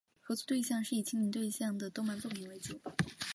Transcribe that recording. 合作的对象以青年对象的动漫作品为主。